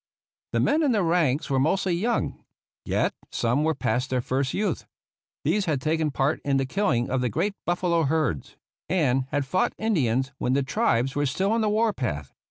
The men in the ranks were mostly young; yet some were past their first youth. These had taken part in the killing of the great buffalo herds, and had fought Indians when the tribes were still on the war path.